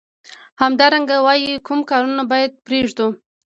همدارنګه وايي کوم کارونه باید پریږدو.